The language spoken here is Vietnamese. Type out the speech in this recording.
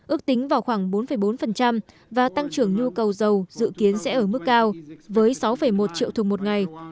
ước tính vào khoảng bốn bốn và tăng trưởng nhu cầu dầu dự kiến sẽ ở mức cao với sáu một triệu thùng một ngày